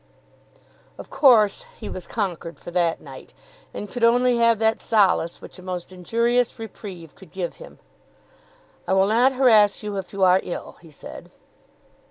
Of course he was conquered for that night, and could only have that solace which a most injurious reprieve could give him. "I will not harass you, if you are ill," he said.